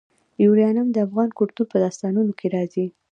یورانیم د افغان کلتور په داستانونو کې راځي.